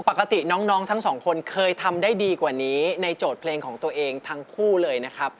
ปกติน้องทั้งสองคนเคยทำได้ดีกว่านี้ในโจทย์เพลงของตัวเองทั้งคู่เลยนะครับ